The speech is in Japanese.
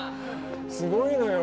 すごいのよ。